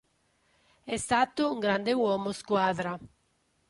È stato un grande uomo squadra.